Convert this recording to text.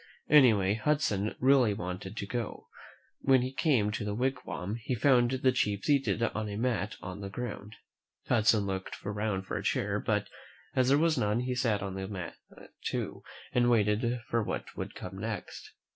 Anyway, Hudson really wanted to go. When he came to the wig wam, he found the chief seated on a mat on the ground. Hudson looked around for a chair; but, as there was none, he sat down on a mat too, and waited for what would come next.